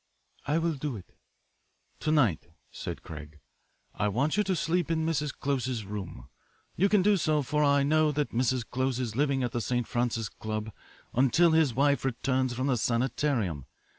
"I will do it." "To night," said Craig, "I want you to sleep in Mrs. Close's room. You can do so, for I know that Mr. Close is living at the St. Francis Club until his wife returns from the sanitarium.